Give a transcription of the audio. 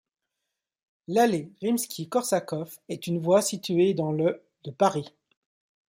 L'allée Rimski-Korsakov est une voie située dans le de Paris.